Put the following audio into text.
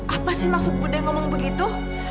apa sih maksud bude ngomong begitu